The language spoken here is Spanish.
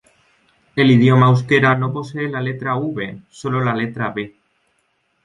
El idioma euskera no posee la letra v, solo la letra b.